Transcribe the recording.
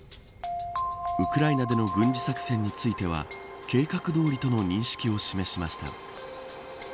ウクライナでの軍事作戦については計画どおりとの認識を示しました。